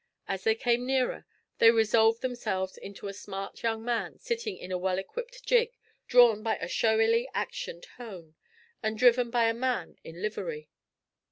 As they came nearer, they resolved themselves into a smart young man sitting in a well equipped gig drawn by a showily actioned hone, and driven by a man in livery.